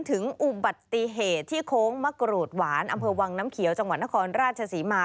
ถึงอุบัติเหตุที่โค้งมะกรูดหวานอำเภอวังน้ำเขียวจังหวัดนครราชศรีมา